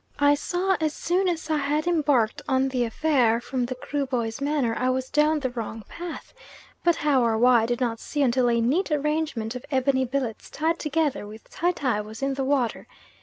I saw as soon as I had embarked on the affair, from the Kruboys' manner, I was down the wrong path, but how, or why, I did not see until a neat arrangement of ebony billets tied together with tie tie was in the water.